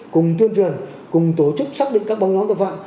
cùng tuyên truyền cùng tổ chức xác định các bóng nhóm tội phạm